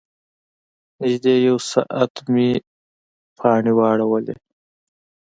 نږدې یو ساعت مو پانې واړولې.